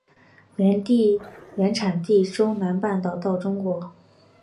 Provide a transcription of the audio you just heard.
原产地从中南半岛到中国。